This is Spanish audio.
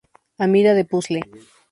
Amida de Puzzle